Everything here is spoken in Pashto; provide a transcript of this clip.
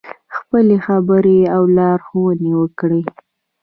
خپلې خبرې او لارښوونې وکړې.